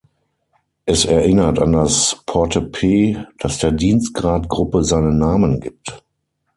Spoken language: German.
Es erinnert an das Portepee, das der Dienstgradgruppe seinen Namen gibt.